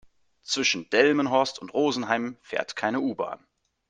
Zwischen Delmenhorst und Rosenheim fährt keine U-Bahn